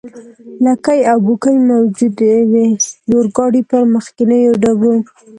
لکۍ او بوکۍ موجودې وې، د اورګاډي پر مخکنیو ډبو.